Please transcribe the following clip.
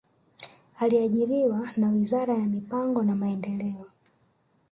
Aliajiriwa na wizara ya mipango na maendeleo